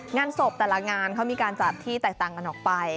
งานศพแต่ละงานเขามีการจัดที่แตกต่างกันออกไป